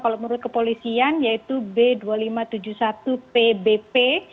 kalau menurut kepolisian yaitu b dua ribu lima ratus tujuh puluh satu pbp